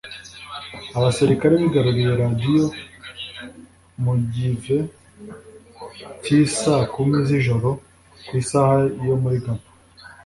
Abasirikare bigaruriye Radio mu give cy’isaa kumi z’ijoro ku isaha yo muri Gabon